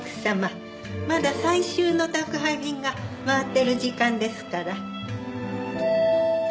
まだ最終の宅配便が回ってる時間ですから。